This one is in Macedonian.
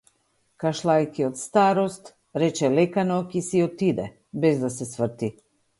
Кашлајќи од старост, рече лека ноќ и си отиде, без да се сврти.